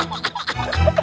apaan sih ini